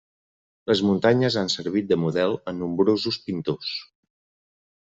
Les muntanyes han servit de model a nombrosos pintors.